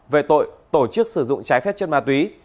về tội tổ chức sử dụng trái phép chất ma túy